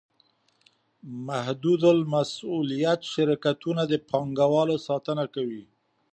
محدودالمسوولیت شرکتونه د پانګوالو ساتنه کوي.